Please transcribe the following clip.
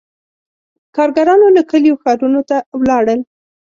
• کارګرانو له کلیو ښارونو ته ولاړل.